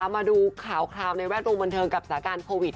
มาดูข่าวในแวดรูปบันเทิงกับสถาการณ์โควิด